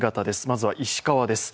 まずは石川です。